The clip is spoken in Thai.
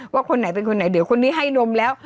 คนไหนเป็นคนไหนเดี๋ยวคนนี้ให้นมแล้ว